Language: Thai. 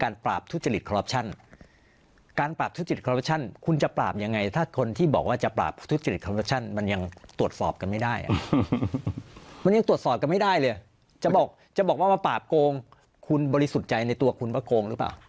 การปราบทุกจิตคอลโลชั่นคุณจะปราบยังไงถ้าคนที่บอกว่าจะปราบทุกจิตคอลโลชั่นมันยังตรวจสอบกันไม่ได้มันยังตรวจสอบกันไม่ได้เลยจะบอกว่าปราบโกงคุณบริสุทธิใจในตัวคุณว่าโกงหรือเปล่า